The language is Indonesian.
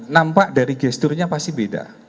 nampak dari gesturnya pasti beda